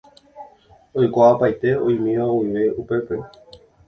Oikuaapaite oĩmíva guive upépe.